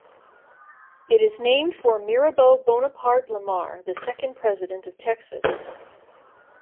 It is named for Mirabeau Buonaparte Lamar, the second president of Texas.